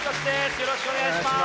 よろしくお願いします。